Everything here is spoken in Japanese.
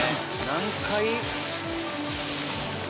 何回？